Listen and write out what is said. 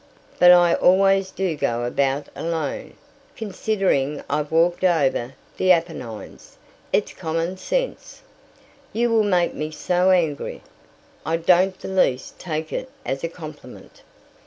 "But I always do go about alone. Considering I've walked over the Apennines, it's common sense. You will make me so angry. I don't the least take it as a compliment."